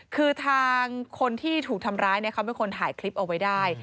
คือทางคนที่ถูกทำร้ายเนี่ยเขาไม่ควรถ่ายคลิปเอาไว้ได้